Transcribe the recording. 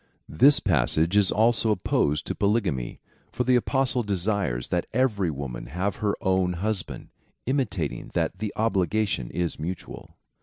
This passage is also opposed to (jroXvyafiia) polygamy. For the Apostle desires that every woman have her own hus band, intimating that the obligation is mutual.